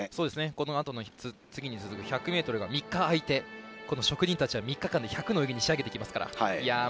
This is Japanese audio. このあとの次に続く１００ｍが３日空いてこの職人たちは１００の泳ぎに仕上げてきますから。